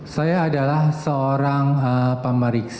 saya adalah pemeriksa